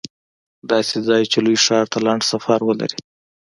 داسې ځای چې لوی ښار ته لنډ سفر ولري